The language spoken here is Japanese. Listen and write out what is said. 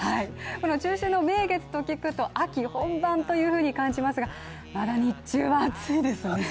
中秋の名月と聞くと秋本番というふうに感じますが、まだ日中は暑いですね。